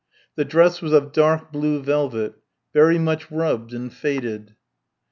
The dress was of dark blue velvet very much rubbed and faded.